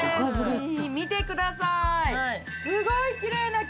見てください！ねぇ。